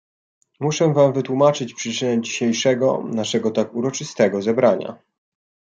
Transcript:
"Muszę wam wytłumaczyć przyczynę dzisiejszego naszego tak uroczystego zebrania."